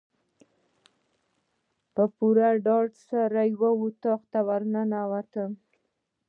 په پوره ډاډ سره یو اطاق ته ورننوتم.